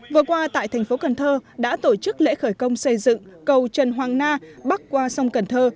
vừa qua tại thành phố cần thơ đã tổ chức lễ khởi công xây dựng cầu trần hoàng na bắc qua sông cần thơ